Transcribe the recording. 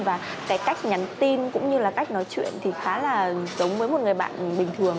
và cái cách nhắn tin cũng như là cách nói chuyện thì khá là giống với một người bạn bình thường